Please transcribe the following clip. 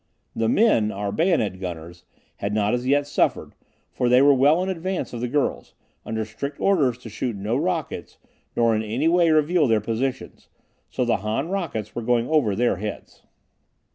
The men, our bayonet gunners, had not as yet suffered, for they were well in advance of the girls, under strict orders to shoot no rockets nor in any way reveal their positions; so the Han rockets were going over their heads.